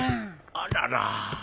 あらら。